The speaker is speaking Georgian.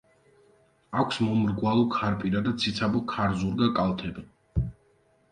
აქვს მომრგვალო ქარპირა და ციცაბო ქარზურგა კალთები.